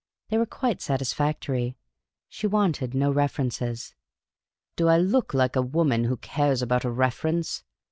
They were quite satisfactory. She wanted no references. " Do I look like a woman who cares about a reference?